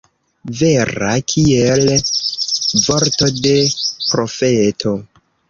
Vera kiel vorto de profeto.